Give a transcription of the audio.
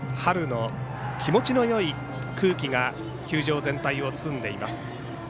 春の気持ちのよい空気が球場全体を包んでいます。